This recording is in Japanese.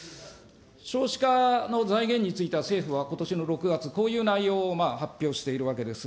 少子化の財源については、政府はことしの６月、こういう内容を発表しているわけです。